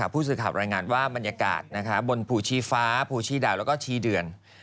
ผู้สื่อข่าวรายงานว่าบรรยากาศบนภูชีฟ้าภูชีดาวแล้วก็ชีเดือน